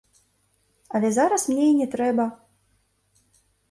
Але зараз мне і не трэба.